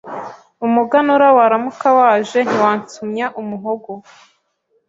Umuganura waramuka waje ntiwansumya umuhogo